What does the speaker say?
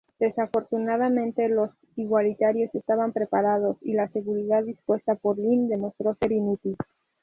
Desafortunadamente, los Igualitarios estaban preparados, y la seguridad dispuesta por Lin demostró ser inútil.